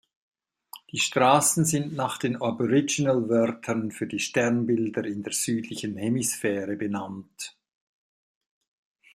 Die Straßen sind nach den Aboriginal-Wörtern für die Sternbilder in der südlichen Hemisphäre benannt.